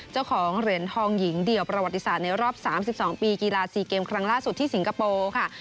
เจ้าของเหรียญทองหญิงเดี่ยวประวัติศาสตร์ในรอบ๓๒ปีกีฬา๔เกมครั้งล่าสุดที่สิงคโปร์ค่ะ